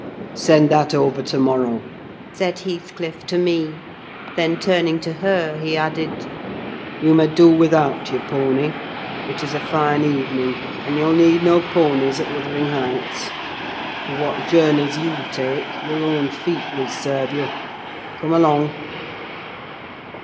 "Send that over to morrow," said Heathcliff to me; then turning to her, he added: "You may do without your pony: it is a fine evening, and you'll need no ponies at Wuthering Heights; for what journeys you take, your own feet will serve you. Come along."